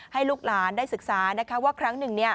ให้ลูกหลานได้ศึกษาว่าครั้งหนึ่ง